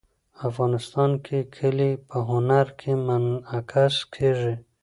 افغانستان کې کلي په هنر کې منعکس کېږي.